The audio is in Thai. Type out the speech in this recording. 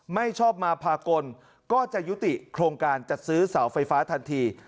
ไม่ชอบมาพากลก็จะยุติโครงการจัดซื้อเสาไฟฟ้าทันที